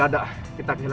orang banyakftar ya